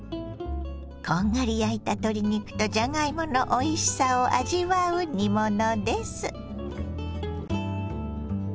こんがり焼いた鶏肉とじゃがいものおいしさを味わう煮物です。